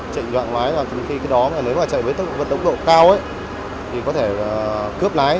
trệnh trọng lái là khi cái đó nếu mà chạy với tốc độ cao thì có thể cướp lái